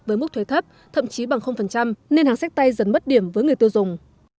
với mức thuế thấp thậm chí bằng nên hàng sách tay dần mất điểm với người tiêu dùng